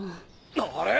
あれ？